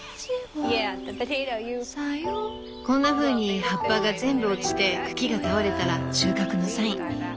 こんなふうに葉っぱが全部落ちて茎が倒れたら収穫のサイン。